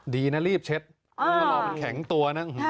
ดีนะรีบเช็ดเพราะว่ามันแข็งตัวน่ะ